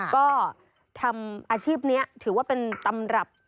ก็ทำอาชีพนี้ถือว่าเป็นตำรับ